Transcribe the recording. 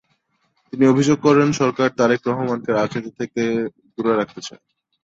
তিনি অভিযোগ করেন, সরকার তারেক রহমানকে রাজনীতি থেকে দূরে রাখতে চায়।